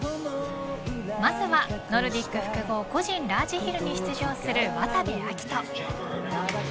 まずはノルディック複合個人ラージヒルに出場する渡部暁斗。